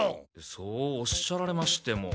そうおっしゃられましても。